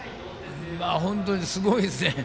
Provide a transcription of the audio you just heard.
本当にすごいですね。